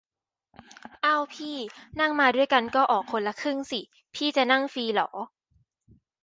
อ้าวพี่ นั่งมาด้วยกันก็ออกคนละครึ่งสิ พี่จะนั่งฟรีหรอ ?